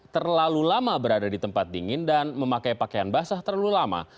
terlalu lama berada di tempat dingin dan memakai pakaian basah terlalu lama